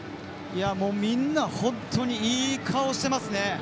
みんな、いい顔してますね。